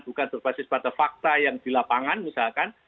bukan berbasis pada fakta yang dilapangan misalkan